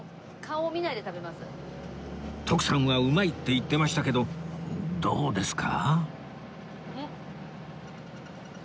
徳さんはうまいって言ってましたけどどうですか？